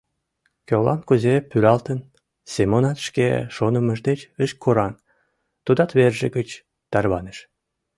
— Кӧлан кузе пӱралтын, — Семонат шке шонымыж деч ыш кораҥ, тудат верже гыч тарваныш.